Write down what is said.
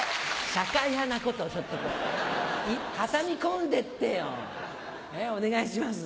社会派なことをちょっとこう挟み込んでってよお願いします。